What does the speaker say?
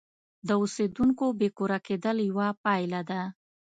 د اوسیدونکو بې کوره کېدل یوه پایله ده.